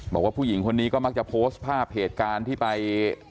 บอกว่าผู้หญิงคนนี้ก็มักจะโพสต์ภาพเหตุการณ์ที่ไป